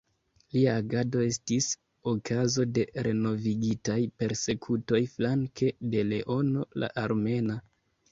Lia agado estis okazo de renovigitaj persekutoj flanke de Leono la Armena.